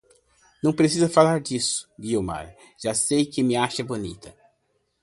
Não precisa falar, disse Guiomar, já sei que me acha bonita